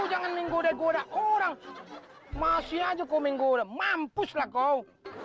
jangan menggoda goda orang masih aja ko ku mampuslah kau